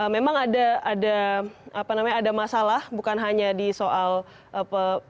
memang ada masalah bukan hanya di soal apa